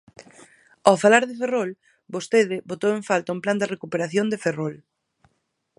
Ao falar de Ferrol, vostede botou en falta un plan de recuperación de Ferrol.